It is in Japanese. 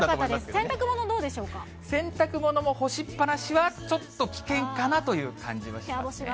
洗濯物どうで洗濯物も干しっ放しはちょっと危険かなという感じはしますね。